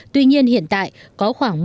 tuy nhiên hiện tại có khoảng